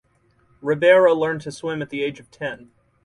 Ribeiro learned to swim at the age of ten.